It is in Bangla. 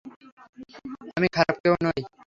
আমি খারাপ কেউ নই।